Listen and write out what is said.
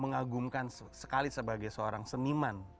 mengagumkan sekali sebagai seorang seniman